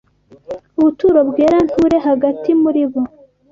ubuturo bwera, nture hagati muri bo